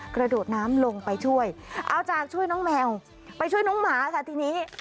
กระโดดน้ำลงไปช่วยเอาจากช่วยน้องแมวไปช่วยน้องหมาค่ะทีนี้